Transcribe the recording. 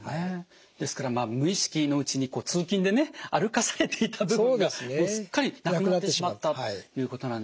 ですから無意識のうちに通勤でね歩かされていた部分がすっかりなくなってしまったということなんですね。